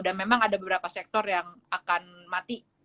dan memang ada beberapa sektor yang akan mati